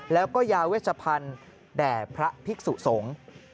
แล้วก็ยาวเวชภัณฑ์แด่พระพิกษุสง